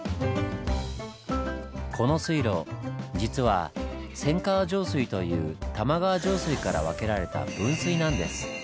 この水路実は「千川上水」という玉川上水から分けられた分水なんです。